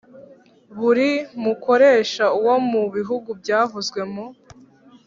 Buri mukoresha wo mu bigo byavuzwe mu